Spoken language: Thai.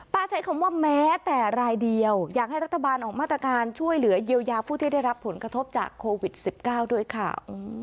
ใช้คำว่าแม้แต่รายเดียวอยากให้รัฐบาลออกมาตรการช่วยเหลือเยียวยาผู้ที่ได้รับผลกระทบจากโควิด๑๙ด้วยค่ะ